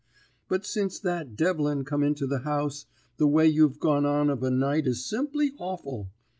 But since that Devlin come into the house, the way you've gone on of a night is simply awful.